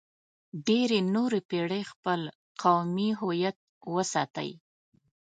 ډېرې نورې پېړۍ خپل قومي هویت وساتئ.